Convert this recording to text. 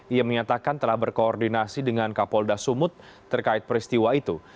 ia menyatakan telah berkoordinasi dengan kapolda sumut terkait peristiwa itu